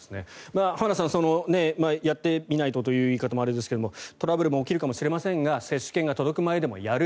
浜田さん、やってみないとという言い方もあれですがトラブルも起きるかもしれませんが接種券が届く前でもやる。